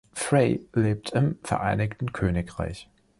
Frey lebt im Vereinigten Königreich.